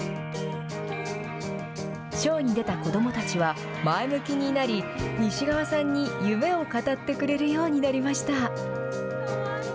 ショーに出た子どもたちは前向きになり西側さんに夢を語ってくれるようになりました。